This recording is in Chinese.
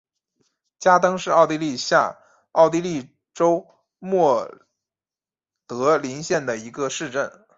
加登是奥地利下奥地利州默德林县的一个市镇。